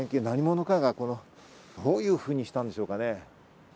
何者かがどういうふうにしたんでしょうかね？